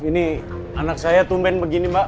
ini anak saya tumben begini mbak